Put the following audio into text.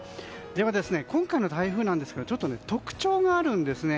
では、今回の台風なんですけどもちょっと特徴があるんですね。